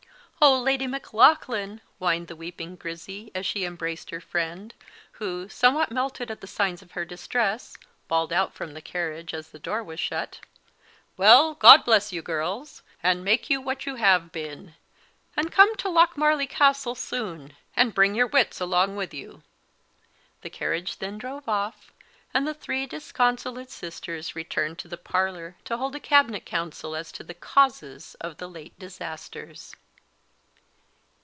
"Oh, Lady Maclaughlan!" whined the weeping Grizzy, as she embraced her friend, who, somewhat melted at the signs of her distress, bawled out from the carriage, as the door was shut, "Well, God bless you, girls, and make you what you have been; and come to Lochmarlie Castle soon, and bring your wits along with you." The carriage then drove off, and the three disconsolate sisters returned to the parlour to hold a cabinet council as to the causes of the late disasters.